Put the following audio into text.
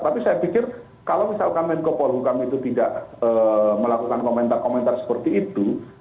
tapi saya pikir kalau misalkan menko polhukam itu tidak melakukan komentar komentar seperti itu